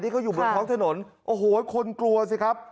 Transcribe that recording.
เขาอยู่บนท้องถนนโอ้โหคนกลัวสิครับ